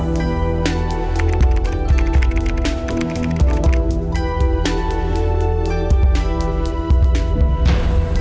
ทุกสิน้องแม่